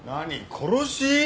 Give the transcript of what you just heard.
殺し？